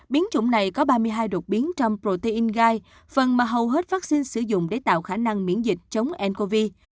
biến chủng này có ba mươi hai đột biến trong protein gai phần mà hầu hết vaccine sử dụng để tạo khả năng miễn dịch chống ncov